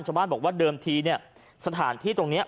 ชาวบ้านบอกว่าเดิมทีเนี่ยสถานที่ตรงนี้